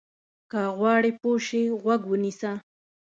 که غواړې پوه شې، غوږ ونیسه.